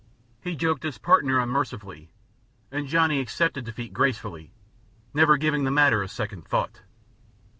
He joked his partner unmercifully, and Johnny accepted defeat gracefully, never giving the matter a second thought.